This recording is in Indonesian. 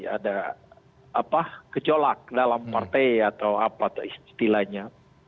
ada gejolak dalam partai atau apa istilahnya